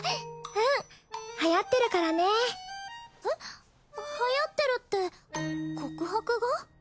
うんはやってるからねえっはやってるって告白が？